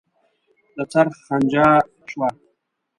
د څرخ غنجا شوه.